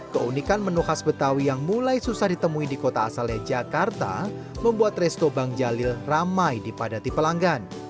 keunikan menu khas betawi yang mulai susah ditemui di kota asalnya jakarta membuat resto bang jalil ramai dipadati pelanggan